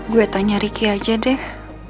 gue tanya ricky aja deh